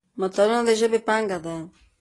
متلونه د ژبې پانګه ده.